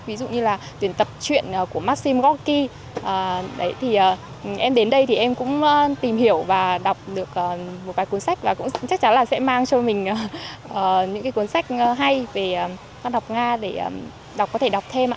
ví dụ như là tuyển tập truyện của maxim gorky em đến đây thì em cũng tìm hiểu và đọc được một vài cuốn sách và cũng chắc chắn là sẽ mang cho mình những cuốn sách hay về văn học nga để có thể đọc thêm